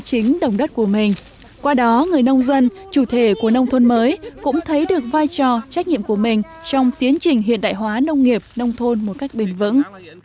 trong thời gian tới cũng thấy được vai trò trách nhiệm của mình trong tiến trình hiện đại hóa nông nghiệp nông thôn một cách bền vững